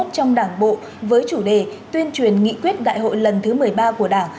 trong đảng bộ với chủ đề tuyên truyền nghị quyết đại hội lần thứ một mươi ba của đảng